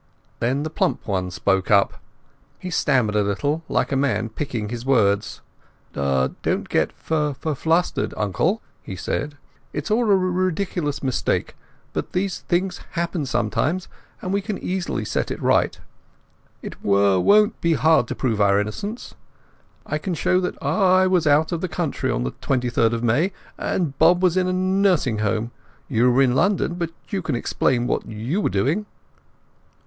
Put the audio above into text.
Then the plump one spoke up. He stammered a little, like a man picking his words. "Don't get flustered, uncle," he said. "It is all a ridiculous mistake; but these things happen sometimes, and we can easily set it right. It won't be hard to prove our innocence. I can show that I was out of the country on the 23rd of May, and Bob was in a nursing home. You were in London, but you can explain what you were doing."